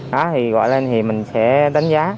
thì gọi lên thì mình sẽ đánh giá